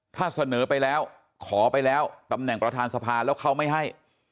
ถ้าเสนอไปแล้วขอไปแล้วตำแหน่งประธานสภาแล้วเขาไม่ให้